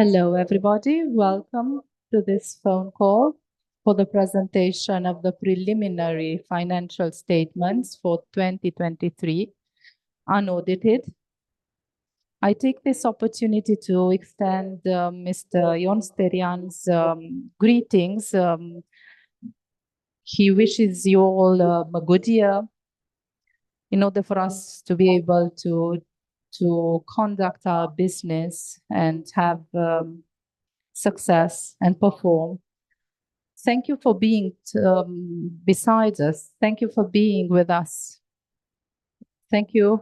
Hello everybody, welcome to this phone call for the presentation of the Preliminary Financial Statements for 2023, unaudited. I take this opportunity to extend Mr. Ion Sterian's greetings. He wishes you all a good year in order for us to be able to conduct our business and have success and perform. Thank you for being beside us. Thank you for being with us. Thank you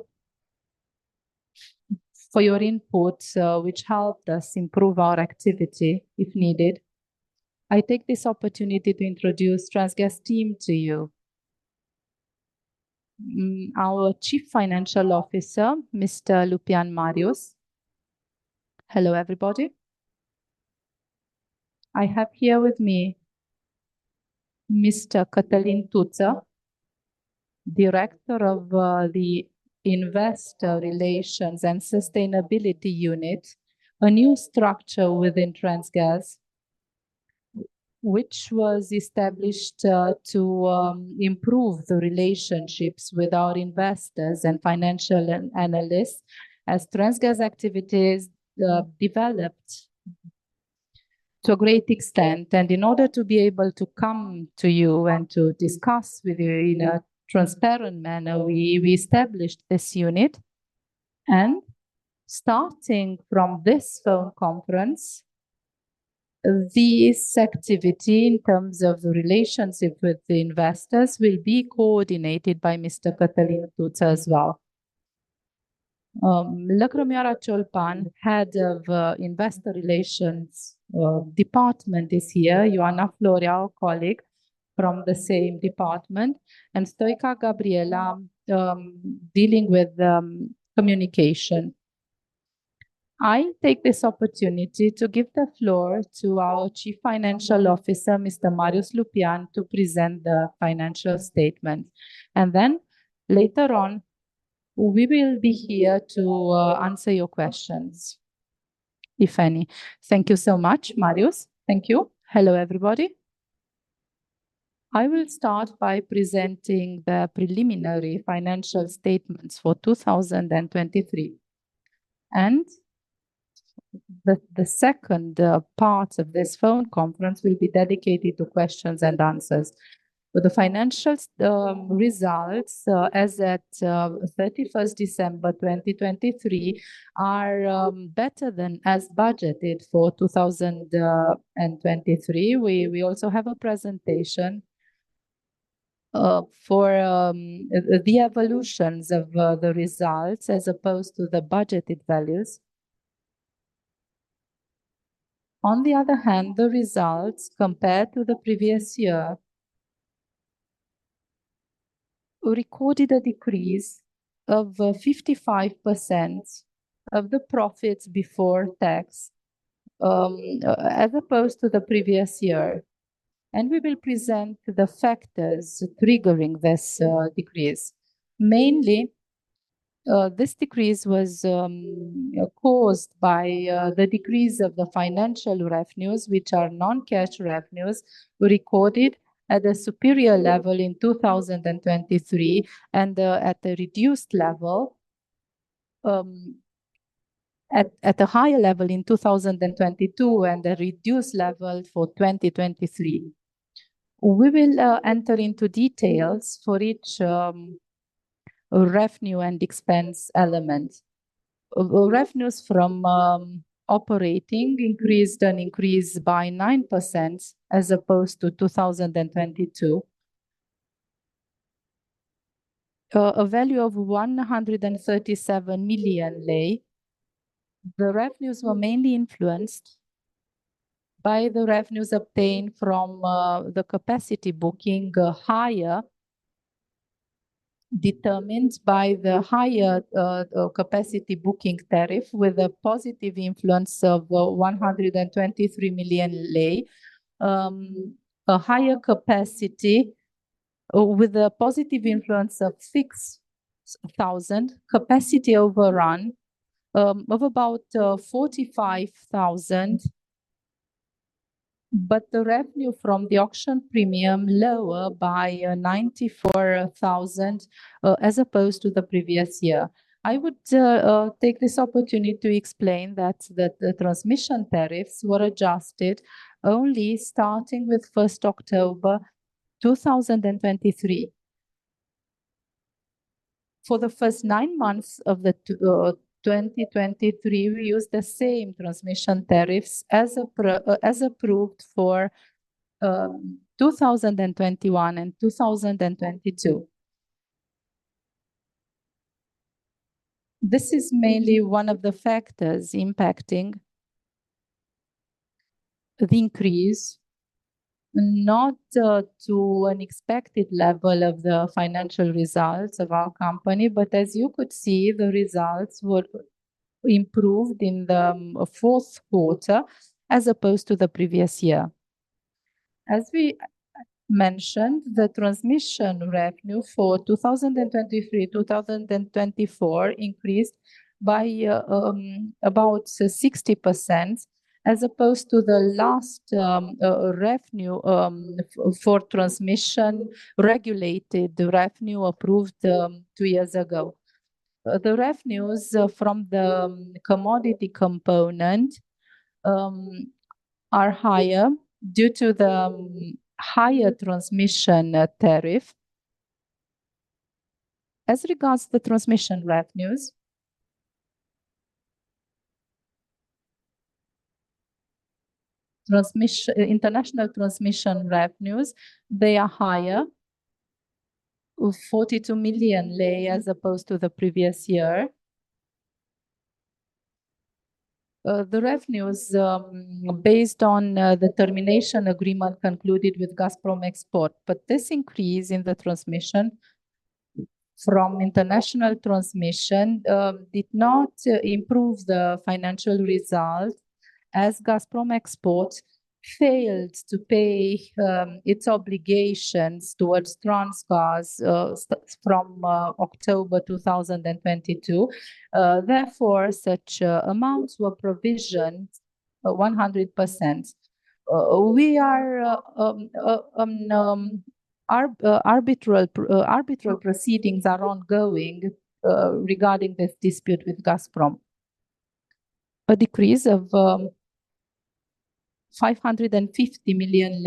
for your input, which helped us improve our activity if needed. I take this opportunity to introduce the Transgaz team to you, our Chief Financial Officer, Mr. Marius Lupean. Hello everybody. I have here with me Mr. Cătălin Țuță, Director of the Investor Relations and Sustainability Unit, a new structure within Transgaz which was established to improve the relationships with our investors and financial analysts as Transgaz activities developed to a great extent. In order to be able to come to you and to discuss with you in a transparent manner, we established this unit. Starting from this phone conference, this activity in terms of the relationship with the investors will be coordinated by Mr. Cătălin Țuță as well. Lăcrămioara Ciolpan, Head of Investor Relations Department this year. You are Ana Florea, our colleague from the same department, and Stoica Gabriela, dealing with communication. I take this opportunity to give the floor to our Chief Financial Officer, Mr. Marius Lupean, to present the financial statements. Then later on, we will be here to answer your questions, if any. Thank you so much, Marius. Thank you. Hello everybody. I will start by presenting the Preliminary Financial Statements for 2023. The second part of this phone conference will be dedicated to questions and answers. The financial results as of 31 December 2023 are better than as budgeted for 2023. We also have a presentation for the evolutions of the results as opposed to the budgeted values. On the other hand, the results compared to the previous year recorded a decrease of 55% of the profits before tax as opposed to the previous year. We will present the factors triggering this decrease. Mainly, this decrease was caused by the decrease of the financial revenues, which are non-cash revenues, recorded at a superior level in 2023 and at a reduced level at a higher level in 2022 and a reduced level for 2023. We will enter into details for each revenue and expense element. Revenues from operating increased an increase by 9% as opposed to 2022, a value of RON 137 million. The revenues were mainly influenced by the revenues obtained from the capacity booking higher, determined by the higher capacity booking tariff with a positive influence of RON 123 million, a higher capacity with a positive influence of 6,000, capacity overrun of about 45,000, but the revenue from the auction premium lower by RON 94,000 as opposed to the previous year. I would take this opportunity to explain that the transmission tariffs were adjusted only starting with 1 October 2023. For the first nine months of 2023, we used the same transmission tariffs as approved for 2021 and 2022. This is mainly one of the factors impacting the increase, not to an expected level of the financial results of our company, but as you could see, the results were improved in the fourth quarter as opposed to the previous year. As we mentioned, the transmission revenue for 2023-2024 increased by about 60% as opposed to the last revenue for transmission regulated revenue approved two years ago. The revenues from the commodity component are higher due to the higher transmission tariff. As regards to the transmission revenues, international transmission revenues, they are higher, RON 42 million as opposed to the previous year. The revenues based on the termination agreement concluded with Gazprom Export. But this increase in the transmission from international transmission did not improve the financial results as Gazprom Export failed to pay its obligations towards Transgaz from October 2022. Therefore, such amounts were provisioned 100%. Arbitral proceedings are ongoing regarding this dispute with Gazprom. A decrease of RON 550 million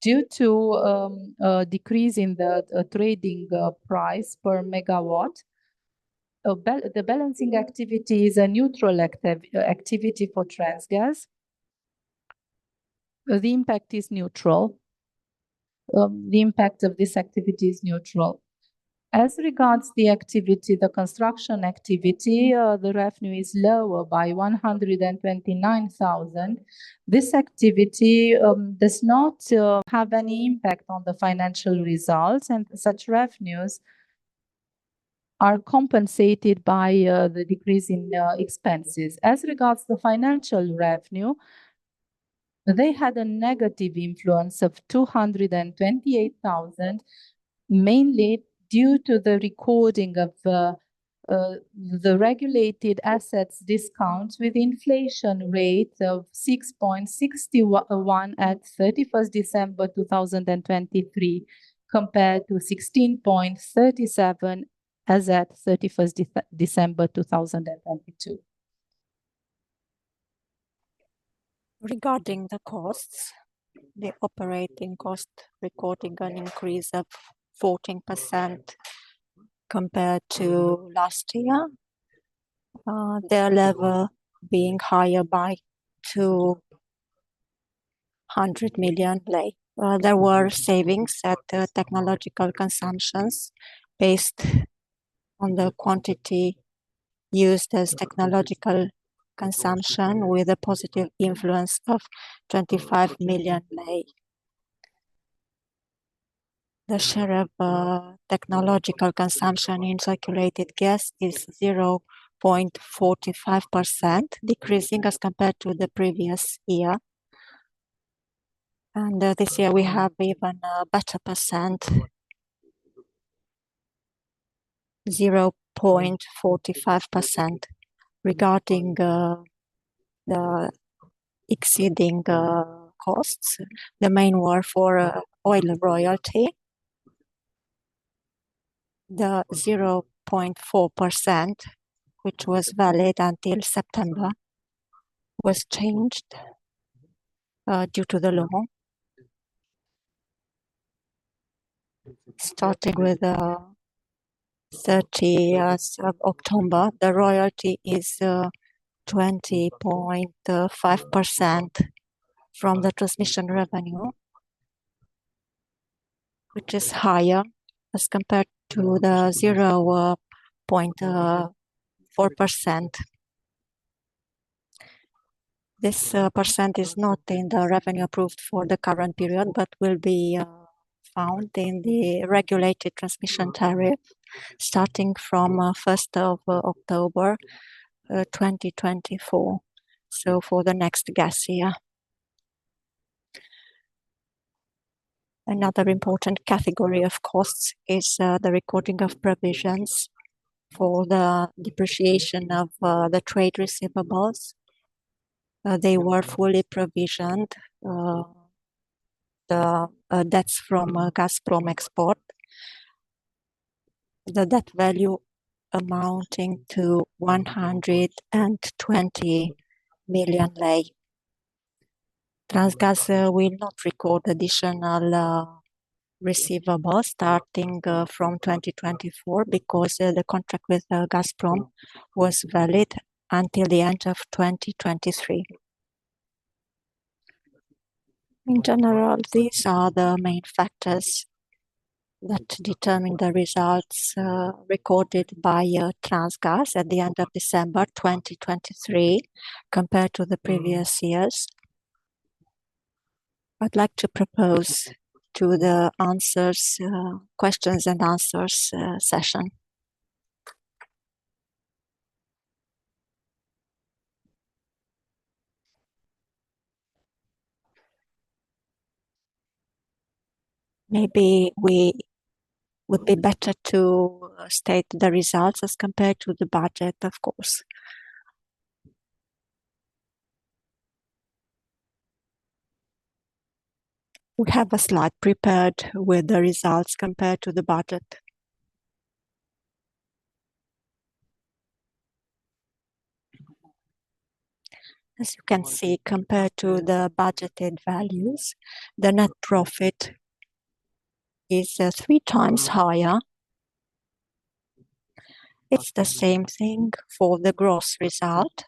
due to a decrease in the trading price per megawatt. The balancing activity is a neutral activity for Transgaz. The impact is neutral. The impact of this activity is neutral. As regards the activity, the construction activity, the revenue is lower by RON 129,000. This activity does not have any impact on the financial results, and such revenues are compensated by the decrease in expenses. As regards to financial revenue, they had a negative influence of RON 228,000, mainly due to the recording of the regulated assets discounts with inflation rates of 6.61% at 31 December 2023 compared to 16.37% as of 31 December 2022. Regarding the costs, the operating cost recording an increase of 14% compared to last year, their level being higher by RON 200 million. There were savings at technological consumptions based on the quantity used as technological consumption with a positive influence of RON 25 million. The share of technological consumption in circulated gas is 0.45%, decreasing as compared to the previous year. This year, we have even a better percent, 0.45% regarding the exceeding costs. The main were for oil royalty. The 0.4%, which was valid until September, was changed due to the law. Starting with 30 October, the royalty is 20.5% from the transmission revenue, which is higher as compared to the 0.4%. This percent is not in the revenue approved for the current period but will be found in the regulated transmission tariff starting from 1 October 2024, so for the next gas year. Another important category of costs is the recording of provisions for the depreciation of the trade receivables. They were fully provisioned, the debts from Gazprom Export, the debt value amounting to RON 120 million. Transgaz will not record additional receivables starting from 2024 because the contract with Gazprom Export was valid until the end of 2023. In general, these are the main factors that determine the results recorded by Transgaz at the end of December 2023 compared to the previous years. I'd like to propose to the questions and answers session. Maybe it would be better to state the results as compared to the budget, of course. We have a slide prepared with the results compared to the budget. As you can see, compared to the budgeted values, the net profit is 3 times higher. It's the same thing for the gross result.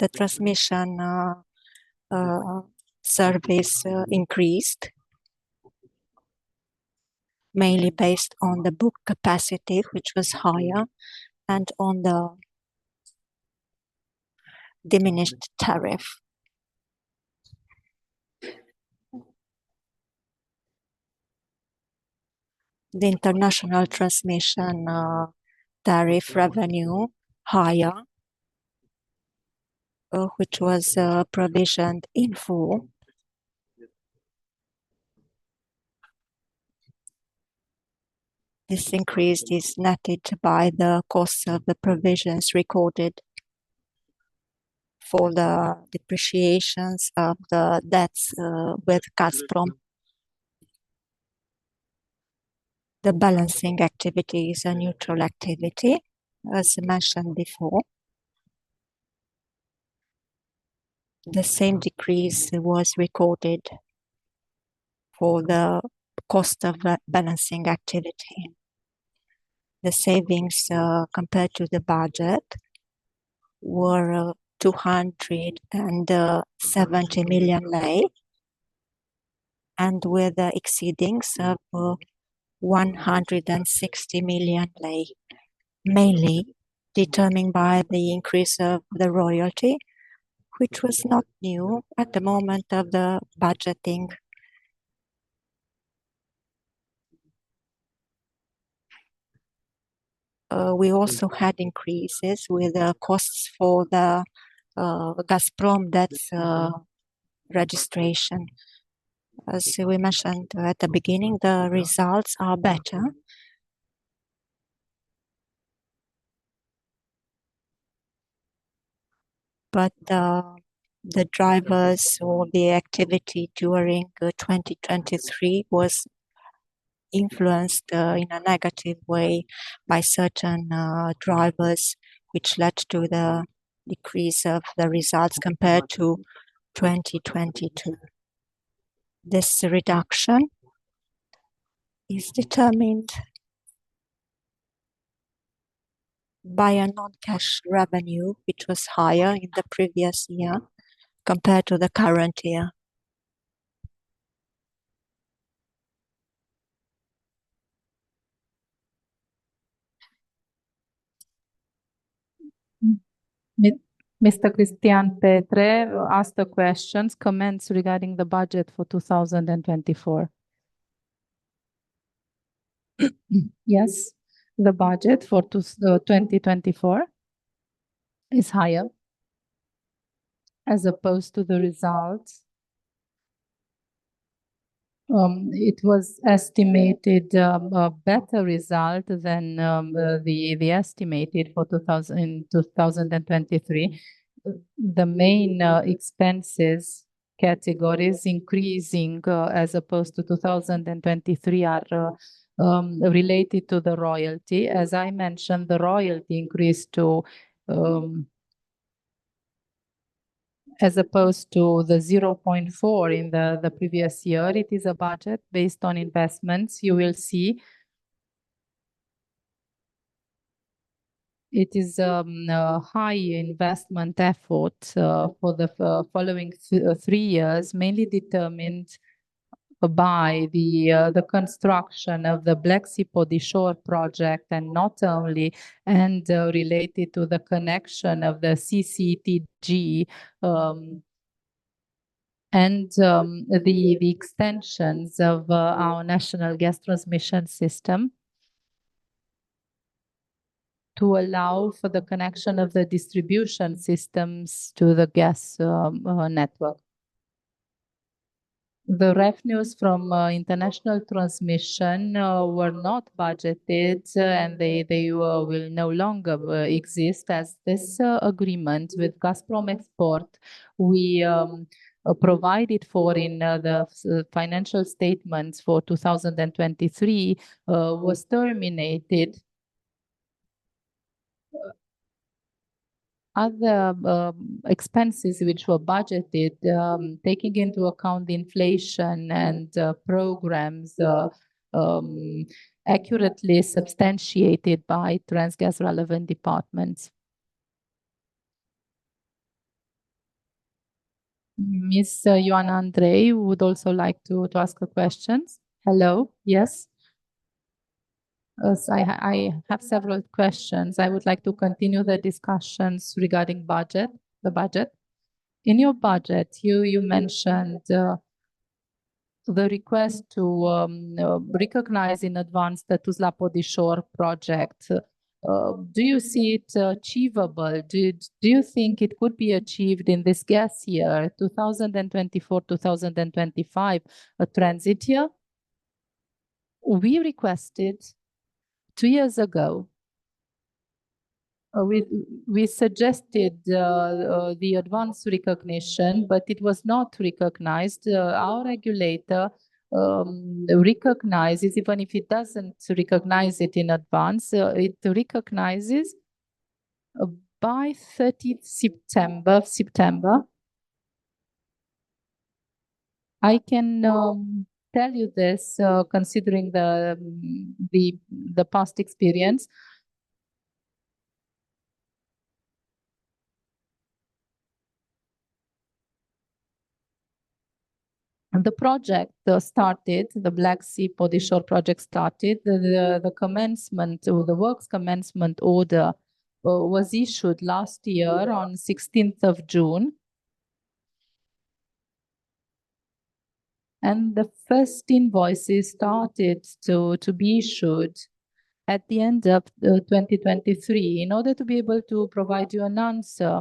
The transmission service increased, mainly based on the book capacity, which was higher, and on the diminished tariff. The international transmission tariff revenue, higher, which was provisioned in full, this increase is netted by the cost of the provisions recorded for the depreciations of the debts with Gazprom. The balancing activity is a neutral activity, as mentioned before. The same decrease was recorded for the cost of balancing activity. The savings compared to the budget were RON 270 million and with exceedings of RON 160 million, mainly determined by the increase of the royalty, which was not new at the moment of the budgeting. We also had increases with costs for the Gazprom debts registration. As we mentioned at the beginning, the results are better. But the drivers or the activity during 2023 was influenced in a negative way by certain drivers, which led to the decrease of the results compared to 2022. This reduction is determined by a non-cash revenue, which was higher in the previous year compared to the current year. Mr. Cristian Petre, ask the questions, comments regarding the budget for 2024. Yes, the budget for 2024 is higher as opposed to the results. It was estimated a better result than the estimated for 2023. The main expenses categories, increasing as opposed to 2023, are related to the royalty. As I mentioned, the royalty increased as opposed to the 0.4 in the previous year. It is a budget based on investments. You will see it is a high investment effort for the following three years, mainly determined by the construction of the Black Sea - Podișor project and not only, and related to the connection of the CCTG and the extensions of our national gas transmission system to allow for the connection of the distribution systems to the gas network. The revenues from international transmission were not budgeted, and they will no longer exist as this agreement with Gazprom Export we provided for in the financial statements for 2023 was terminated. Other expenses which were budgeted, taking into account the inflation and programs, accurately substantiated by Transgaz relevant departments. Ms. Ioana Andrei would also like to ask a question. Hello? Yes? I have several questions. I would like to continue the discussions regarding the budget. In your budget, you mentioned the request to recognize in advance the Tuzla - Podișor project. Do you see it achievable? Do you think it could be achieved in this gas year, 2024-2025, a transit year? We requested two years ago. We suggested the advance recognition, but it was not recognized. Our regulator recognizes, even if it doesn't recognize it in advance, it recognizes by 30 September. I can tell you this considering the past experience. The project started, the Black Sea - Podișor project started. The works commencement order was issued last year on 16 June. And the first invoices started to be issued at the end of 2023. In order to be able to provide you an answer,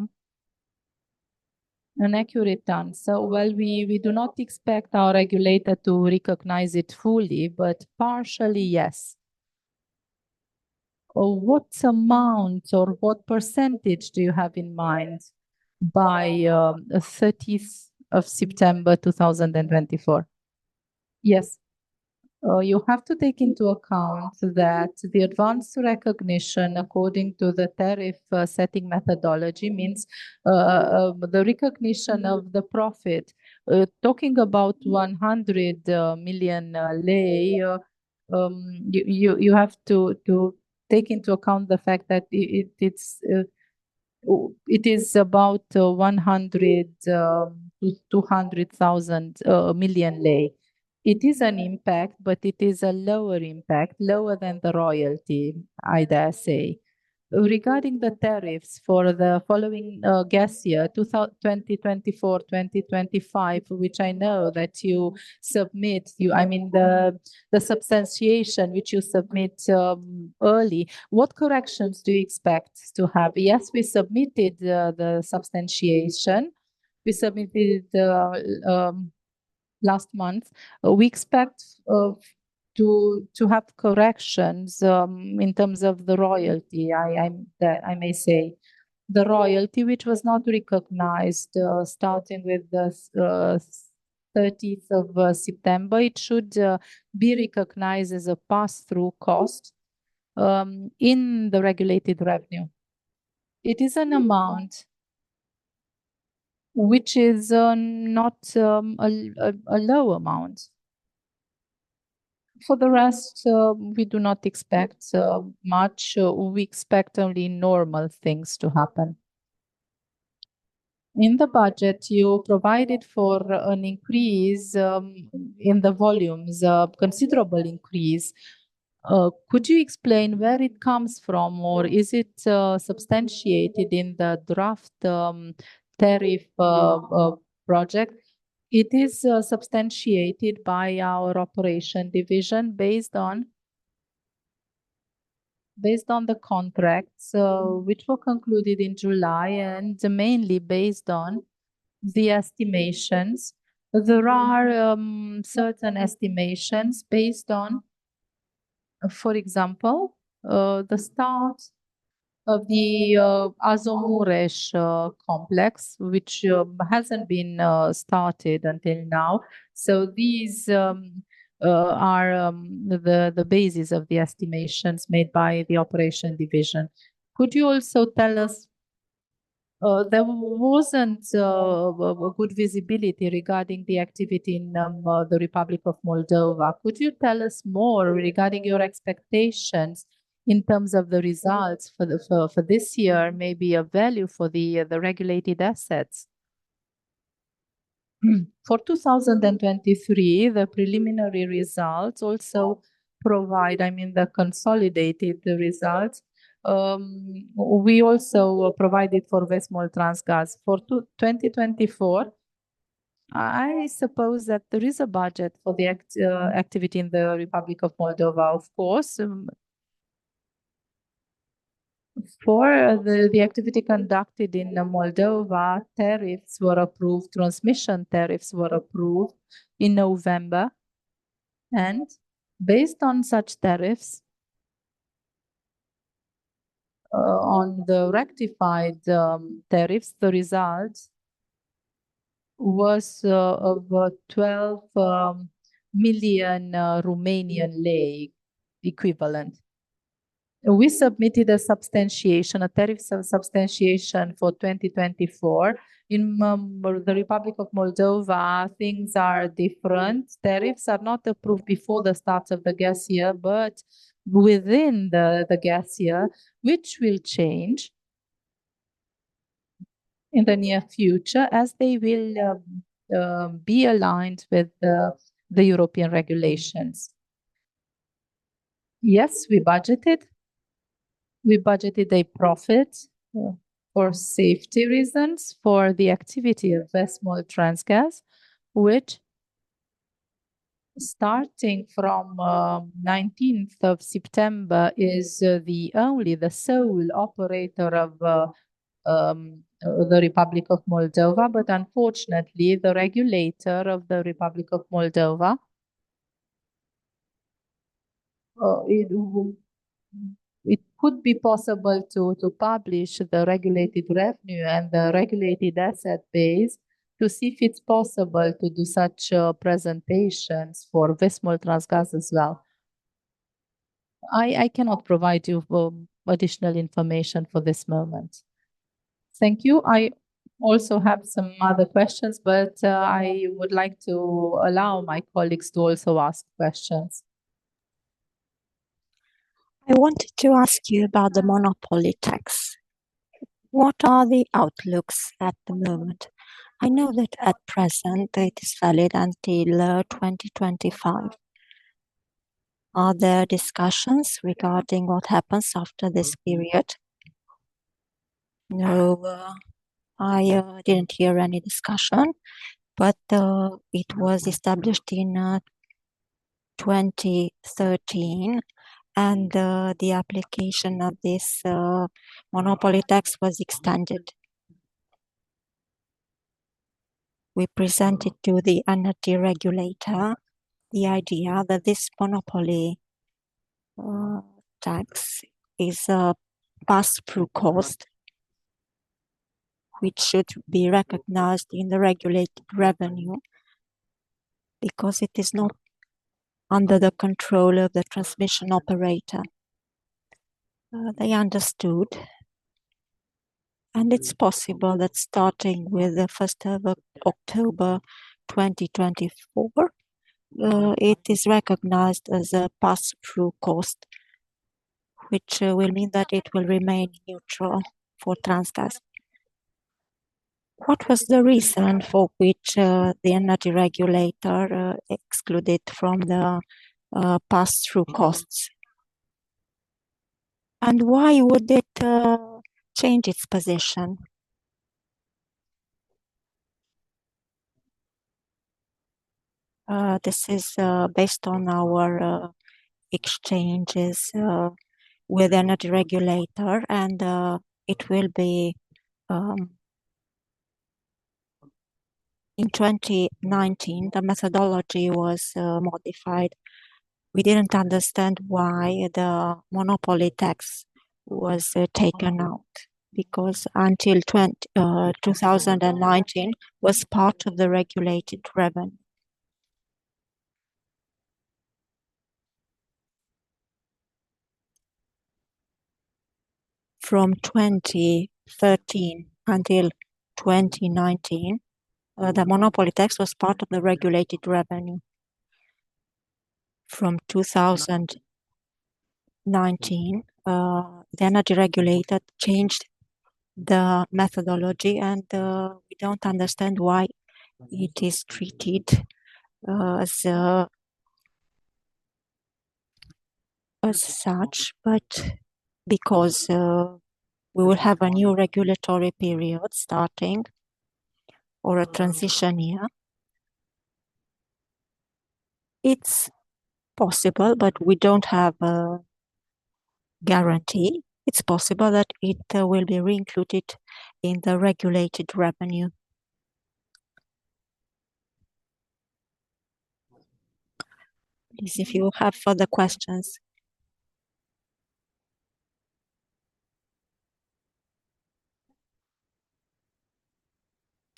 an accurate answer, well, we do not expect our regulator to recognize it fully, but partially, yes. What amount or what percentage do you have in mind by 30 September 2024? Yes. You have to take into account that the advance recognition, according to the tariff setting methodology, means the recognition of the profit. Talking about RON 100 million, you have to take into account the fact that it is about RON 100-200 million. It is an impact, but it is a lower impact, lower than the royalty, I dare say. Regarding the tariffs for the following gas year, 2024-2025, which I know that you submit, I mean, the substantiation which you submit early, what corrections do you expect to have? Yes, we submitted the substantiation. We submitted last month. We expect to have corrections in terms of the royalty, I may say. The royalty, which was not recognized starting with 30 September, it should be recognized as a pass-through cost in the regulated revenue. It is an amount which is not a low amount. For the rest, we do not expect much. We expect only normal things to happen. In the budget, you provided for an increase in the volumes, a considerable increase. Could you explain where it comes from, or is it substantiated in the draft tariff project? It is substantiated by our operation division based on the contracts which were concluded in July and mainly based on the estimations. There are certain estimations based on, for example, the start of the Azomureș complex, which hasn't been started until now. So these are the basis of the estimations made by the operation division. Could you also tell us there wasn't good visibility regarding the activity in the Republic of Moldova? Could you tell us more regarding your expectations in terms of the results for this year, maybe a value for the regulated assets? For 2023, the preliminary results also provide, I mean, the consolidated results. We also provided for Vestmoldtransgaz. For 2024, I suppose that there is a budget for the activity in the Republic of Moldova, of course. For the activity conducted in Moldova, tariffs were approved, transmission tariffs were approved in November. Based on such tariffs, on the rectified tariffs, the result was of RON 12 million equivalent. We submitted a substantiation, a tariff substantiation for 2024. In the Republic of Moldova, things are different. Tariffs are not approved before the start of the gas year, but within the gas year, which will change in the near future as they will be aligned with the European regulations. Yes, we budgeted. We budgeted a profit for safety reasons for the activity of Vestmoldtransgaz, which starting from 19 September is the only, the sole operator of the Republic of Moldova. But unfortunately, the regulator of the Republic of Moldova, it could be possible to publish the regulated revenue and the regulated asset base to see if it's possible to do such presentations for Vestmoldtransgaz as well. I cannot provide you additional information for this moment. Thank you. I also have some other questions, but I would like to allow my colleagues to also ask questions. I wanted to ask you about the monopoly tax. What are the outlooks at the moment? I know that at present, it is valid until 2025. Are there discussions regarding what happens after this period? No, I didn't hear any discussion. But it was established in 2013, and the application of this monopoly tax was extended. We presented to the ANRE regulator the idea that this monopoly tax is a pass-through cost which should be recognized in the regulated revenue because it is not under the control of the transmission operator. They understood. And it's possible that starting with the 1st of October 2024, it is recognized as a pass-through cost, which will mean that it will remain neutral for Transgaz. What was the reason for which the ANRE regulator excluded it from the pass-through costs? And why would it change its position? This is based on our exchanges with the ANRE regulator, and it will be in 2019, the methodology was modified. We didn't understand why the monopoly tax was taken out because until 2019 was part of the regulated revenue. From 2013 until 2019, the monopoly tax was part of the regulated revenue. From 2019, the ANRE regulator changed the methodology, and we don't understand why it is treated as such, but because we will have a new regulatory period starting or a transition year. It's possible, but we don't have a guarantee. It's possible that it will be reincluded in the regulated revenue. Please, if you have further questions.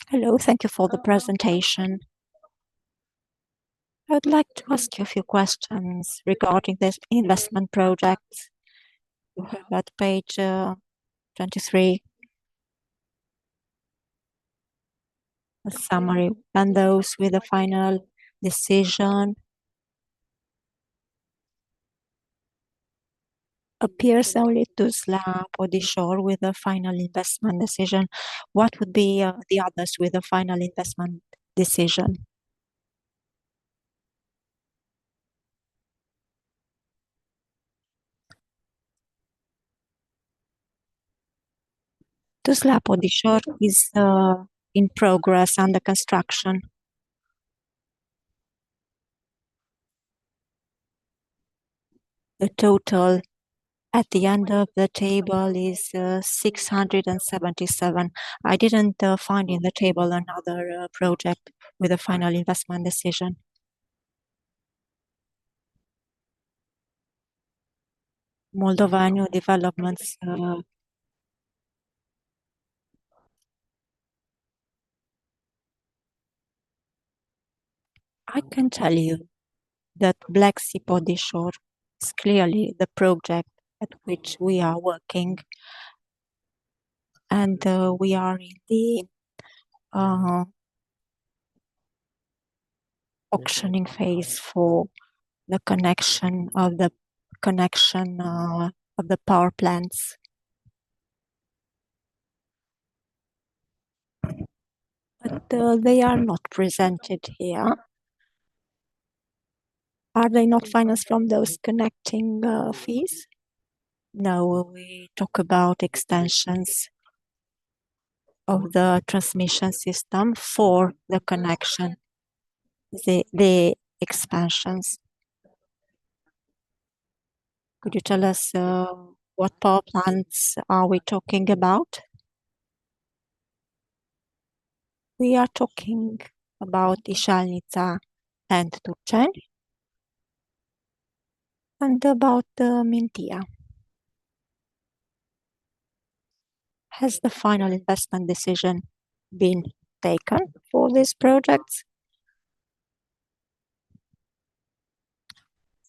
Hello. Thank you for the presentation. I would like to ask you a few questions regarding this investment project. You have at page 23 a summary. Those with a final decision appears only Tuzla - Podișor with a final investment decision. What would be the others with a final investment decision? Tuzla - Podișor is in progress under construction. The total at the end of the table is 677. I didn't find in the table another project with a final investment decision. Moldova New Developments. I can tell you that Black Sea - Podișor is clearly the project at which we are working. And we are in the auctioning phase for the connection of the power plants. But they are not presented here. Are they not financed from those connecting fees? No, we talk about extensions of the transmission system for the connection, the expansions. Could you tell us what power plants are we talking about? We are talking about Ișalnița and Turceni and about Mintia. Has the final investment decision been taken for these projects?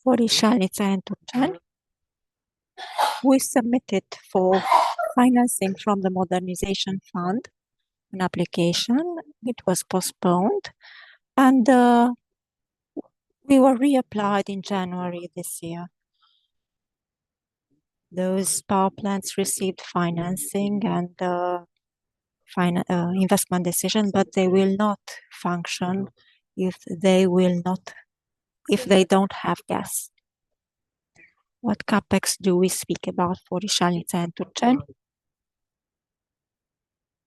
For Ișalnița and Turceni, we submitted for financing from the Modernization Fund an application. It was postponed, and we were reapplied in January this year. Those power plants received financing and investment decision, but they will not function if they don't have gas. What CAPEX do we speak about for Ișalnița and Turceni?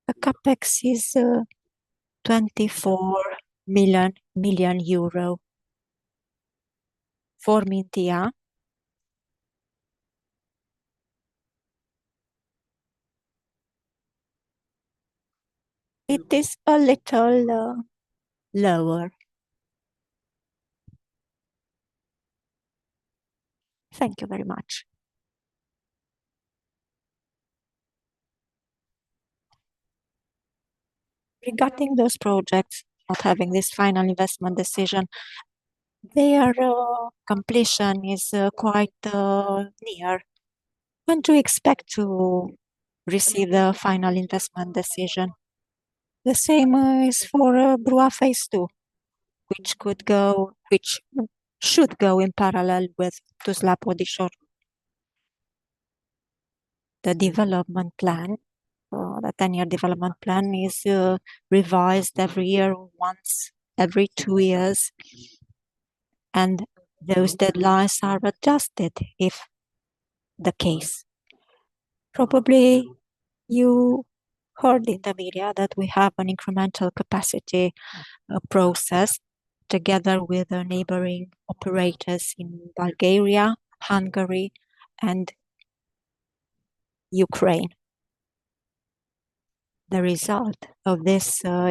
The CAPEX is EUR 24 million for Mintia. It is a little lower. Thank you very much. Regarding those projects not having this final investment decision, their completion is quite near. When do you expect to receive the final investment decision? The same is for BRUA Phase II, which should go in parallel with Tuzla - Podișor. The development plan, the 10-year development plan, is revised every year once, every two years. And those deadlines are adjusted if the case. Probably you heard in the media that we have an incremental capacity process together with our neighboring operators in Bulgaria, Hungary, and Ukraine. The result of this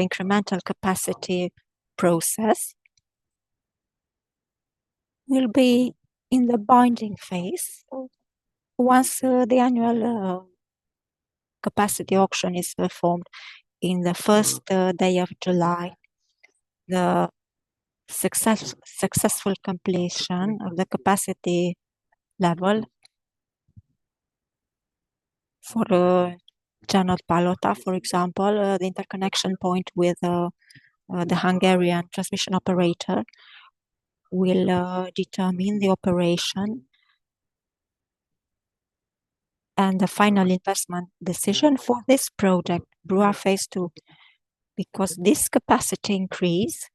incremental capacity process will be in the binding phase. Once the annual capacity auction is performed in the first day of July, the successful completion of the capacity level for Csanád-Palota, for example, the interconnection point with the Hungarian transmission operator will determine the operation. And the final investment decision for this project, BRUA Phase II, because this capacity increase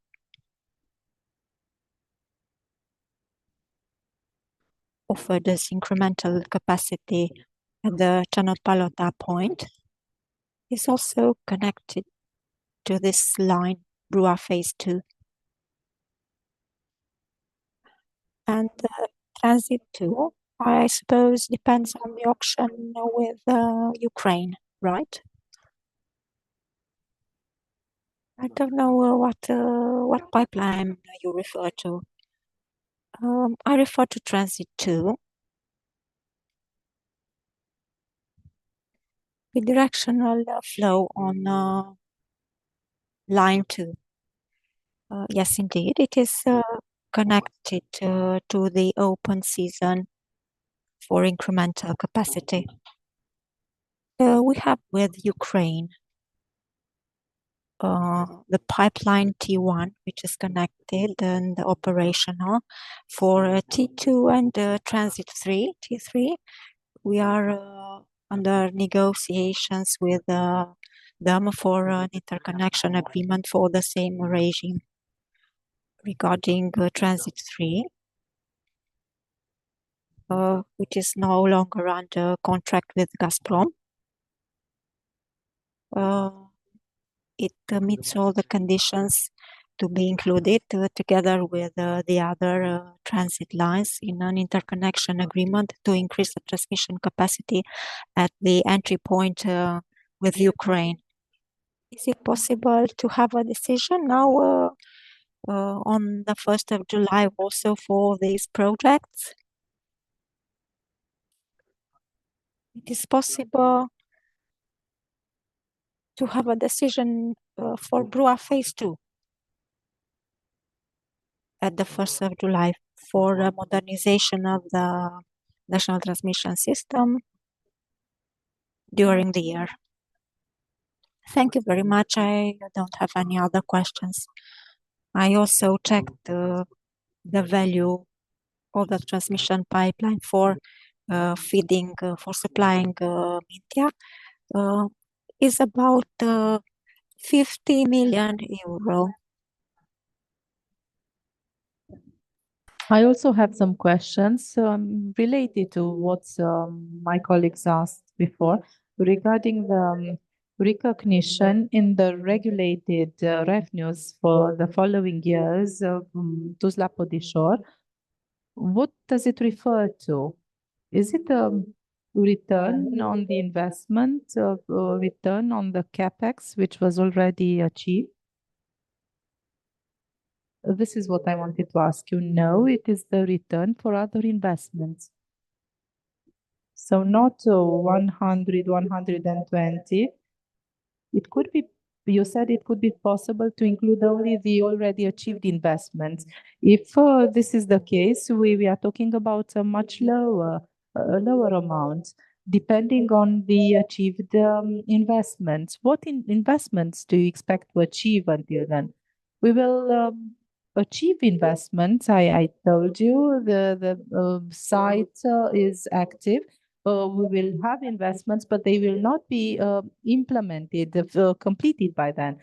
offered this incremental capacity at the Csanád-Palota point, is also connected to this line, BRUA Phase II. And Transit 2, I suppose, depends on the auction with Ukraine, right? I don't know what pipeline you refer to. I refer to Transit 2 with directional flow on Line 2. Yes, indeed, it is connected to the open season for incremental capacity. We have, with Ukraine, the pipeline T1, which is connected and operational. For T2 and T3, we are under negotiations with them for an interconnection agreement for the same regime regarding T3, which is no longer under contract with Gazprom. It meets all the conditions to be included together with the other transit lines in an interconnection agreement to increase the transmission capacity at the entry point with Ukraine. Is it possible to have a decision now on the 1st of July also for these projects? It is possible to have a decision for BRUA Phase II at the 1st of July for modernization of the national transmission system during the year. Thank you very much. I don't have any other questions. I also checked the value of the transmission pipeline for supplying Mintia. It's about EUR 50 million. I also have some questions related to what my colleagues asked before regarding the recognition in the regulated revenues for the following years of Tuzla - Podișor. What does it refer to? Is it a return on the investment, return on the CAPEX which was already achieved? This is what I wanted to ask you. No, it is the return for other investments. So not 100, 120. You said it could be possible to include only the already achieved investments. If this is the case, we are talking about a much lower amount depending on the achieved investments. What investments do you expect to achieve until then? We will achieve investments. I told you the site is active. We will have investments, but they will not be implemented, completed by then.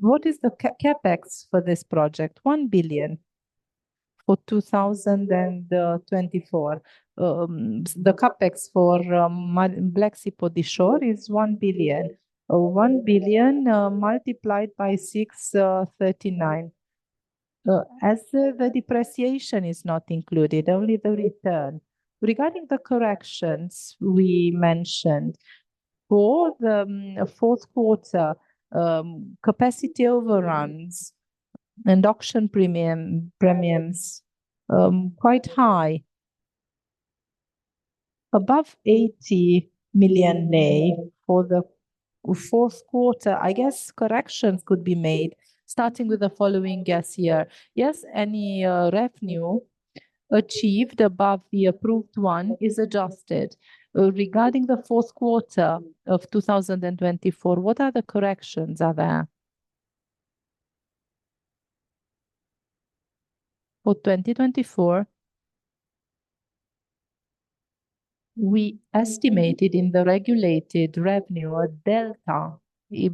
What is the CAPEX for this project? 1 billion for 2024. The CAPEX for Black Sea - Podișor is 1 billion. 1 billion multiplied by 6.39 as the depreciation is not included, only the return. Regarding the corrections we mentioned, for the fourth quarter, capacity overruns and auction premiums quite high, above RON 80 million for the fourth quarter. I guess corrections could be made starting with the following gas year here. Yes, any revenue achieved above the approved one is adjusted. Regarding the fourth quarter of 2024, what other corrections are there? For 2024, we estimated in the regulated revenue a delta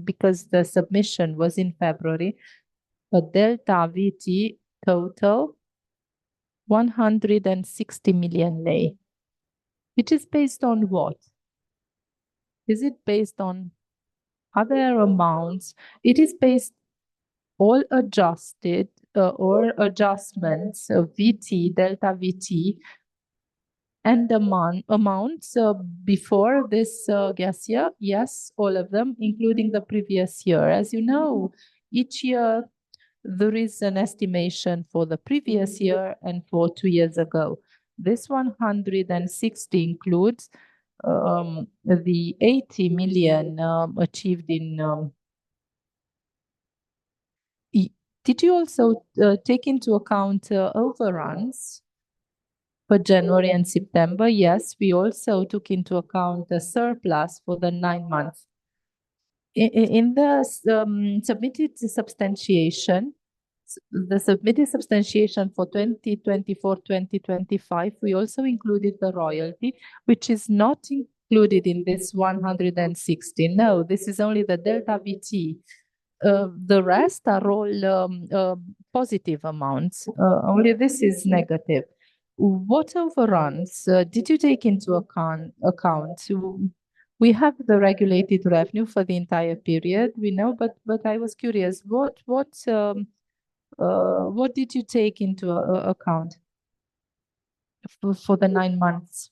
because the submission was in February, a delta VT total RON 160 million. It is based on what? Is it based on other amounts? It is based all adjusted or adjustments of VT, delta VT, and the amounts before this gas year. Yes, all of them, including the previous year. As you know, each year, there is an estimation for the previous year and for two years ago. This RON 160 million includes the RON 80 million achieved. Did you also take into account overruns for January and September? Yes, we also took into account the surplus for the nine months. In the submitted substantiation, the submitted substantiation for 2024-2025, we also included the royalty, which is not included in this RON 160 million. No, this is only the Delta VT. The rest are all positive amounts. Only this is negative. What overruns did you take into account? We have the regulated revenue for the entire period, we know, but I was curious. What did you take into account for the nine months,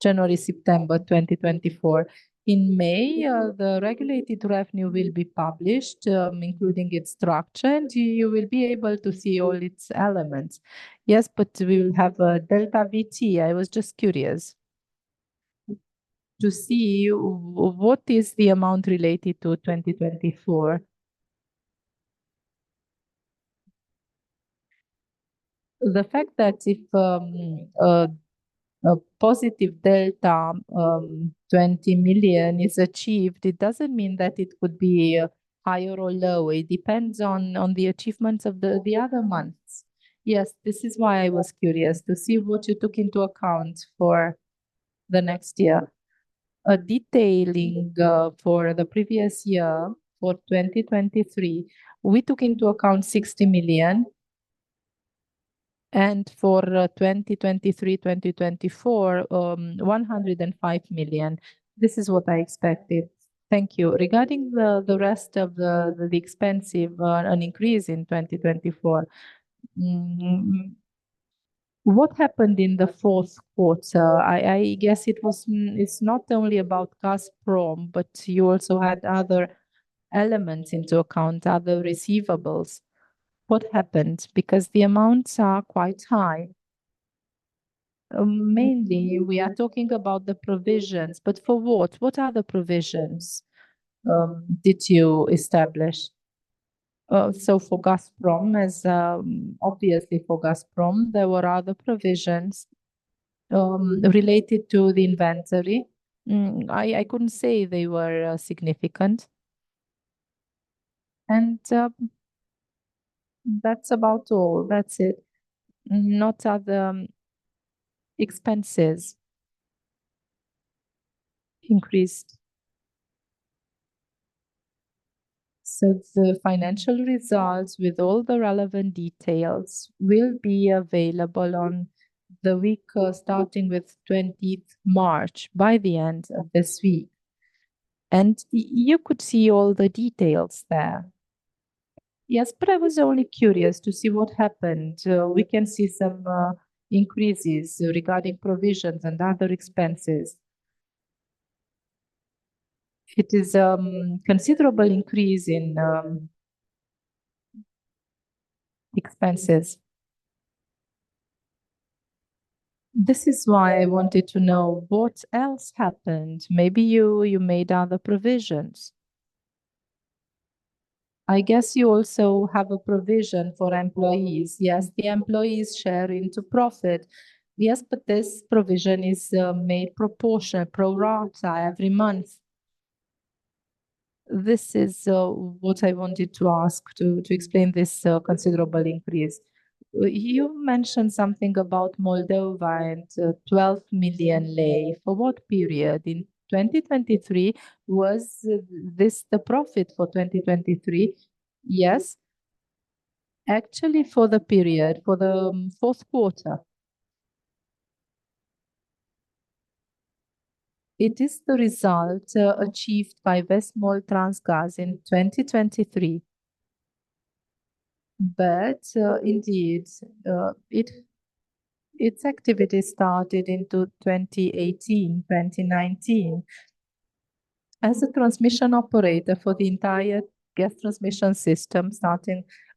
January, September, 2024? In May, the regulated revenue will be published, including its structure, and you will be able to see all its elements. Yes, but we will have a Delta VT. I was just curious to see what is the amount related to 2024. The fact that if a positive Delta VT of RON 20 million is achieved, it doesn't mean that it could be higher or lower. It depends on the achievements of the other months. Yes, this is why I was curious to see what you took into account for the next year. Detailing for the previous year, for 2023, we took into account RON 60 million. And for 2023-2024, RON 105 million. This is what I expected. Thank you. Regarding the rest of the expense increase in 2024, what happened in the fourth quarter? I guess it's not only about Gazprom, but you also had other elements into account, other receivables. What happened? Because the amounts are quite high. Mainly, we are talking about the provisions, but for what? What other provisions did you establish? So for Gazprom, obviously for Gazprom, there were other provisions related to the inventory. I couldn't say they were significant. And that's about all. That's it. No other expenses increased. So the financial results with all the relevant details will be available on the week starting with 20th March by the end of this week. And you could see all the details there. Yes, but I was only curious to see what happened. We can see some increases regarding provisions and other expenses. It is a considerable increase in expenses. This is why I wanted to know what else happened. Maybe you made other provisions. I guess you also have a provision for employees. Yes, the employees share into profit. Yes, but this provision is made proportional, pro rata every month. This is what I wanted to ask to explain this considerable increase. You mentioned something about Moldova and RON 12 million. For what period? In 2023, was this the profit for 2023? Yes? Actually, for the period, for the fourth quarter. It is the result achieved by Vestmoldtransgaz in 2023. But indeed, its activity started into 2018, 2019. As a transmission operator for the entire gas transmission system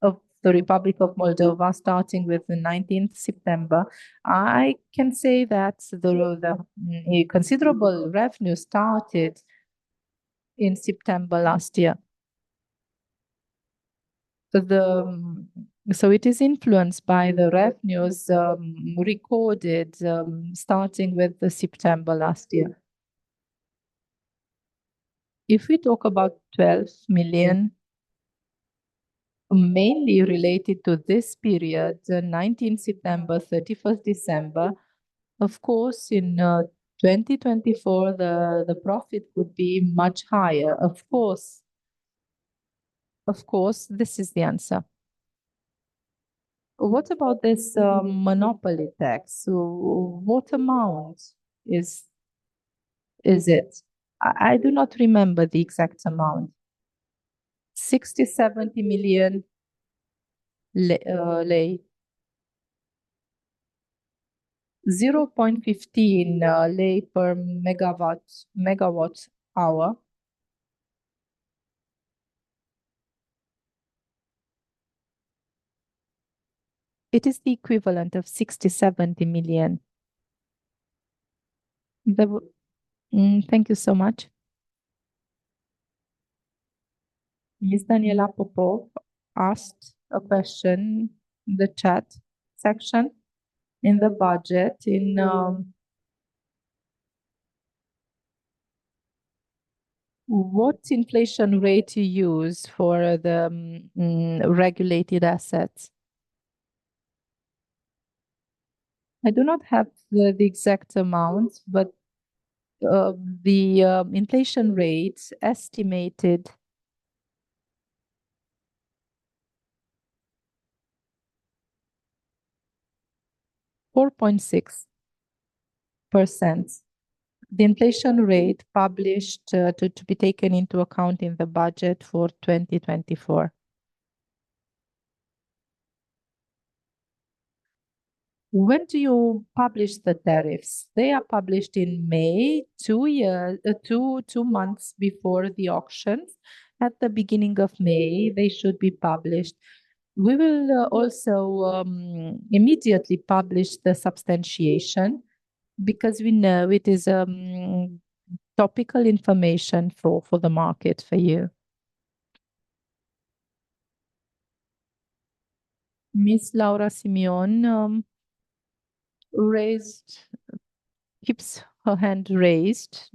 of the Republic of Moldova, starting with the 19th of September, I can say that the considerable revenue started in September last year. So it is influenced by the revenues recorded starting with September last year. If we talk about RON 12 million, mainly related to this period, 19th of September, 31st of December, of course, in 2024, the profit would be much higher. Of course, of course, this is the answer. What about this monopoly tax? What amount is it? I do not remember the exact amount. RON 60 million-RON 70 million. 0.15 Lei per megawatt hour. It is the equivalent of RON 60 million- RON 70 million. Thank you so much. Ms. Daniela Popov asked a question in the chat section in the budget. What inflation rate do you use for the regulated assets? I do not have the exact amount, but the inflation rate estimated is 4.6%, the inflation rate published to be taken into account in the budget for 2024. When do you publish the tariffs? They are published in May, two months before the auction. At the beginning of May, they should be published. We will also immediately publish the substantiation because we know it is topical information for the market for you. Ms. Laura Simion keeps her hand raised.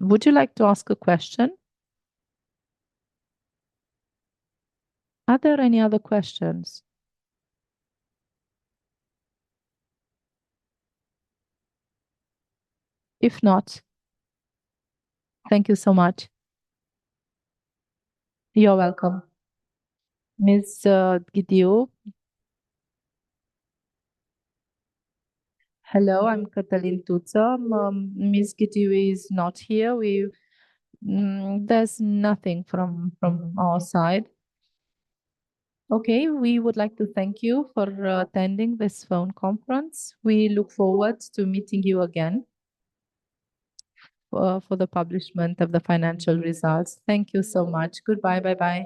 Would you like to ask a question? Are there any other questions? If not, thank you so much. You're welcome. Ms. Ghidiu? Hello, I'm Cătălin Țuță. Ms. Ghidiu is not here. There's nothing from our side. Okay, we would like to thank you for attending this phone conference. We look forward to meeting you again for the publication of the financial results. Thank you so much. Goodbye, bye-bye.